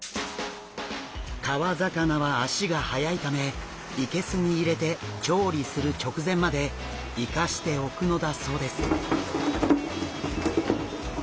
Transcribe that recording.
川魚は足が早いため生けすに入れて調理する直前まで生かしておくのだそうです。